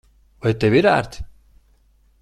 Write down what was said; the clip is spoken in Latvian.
Vai tev ir ērti?